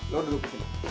lo duduk disini